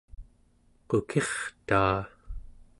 qukirtaa